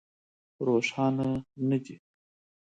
روښانه نه دي.